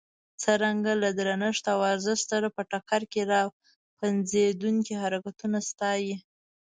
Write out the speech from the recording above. څرنګه له درنښت او ارزښت سره په ټکر کې را پنځېدونکي حرکتونه ستایي.